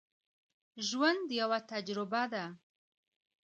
ژوند یوه تجربه ده.